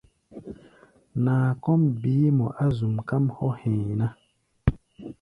Naa kɔ́ʼm beé mɔ á zuʼm, káʼm hɔ́ hɛ̧ɛ̧ ná.